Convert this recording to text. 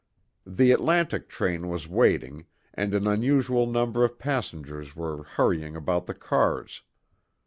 The Atlantic train was waiting, and an unusual number of passengers were hurrying about the cars.